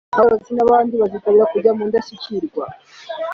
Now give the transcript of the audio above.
aborozi n’abandi bazitabira kujya mu Ndashyikirwa